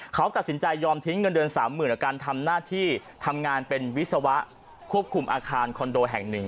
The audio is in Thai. เขาตัดสินใจยอมทิ้งเงินเดือนสามหมื่นกับการทำหน้าที่ทำงานเป็นวิศวะควบคุมอาคารคอนโดแห่งหนึ่ง